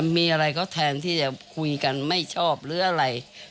มีอะไรก็แทนที่จะคุยกันไม่ชอบหรืออะไร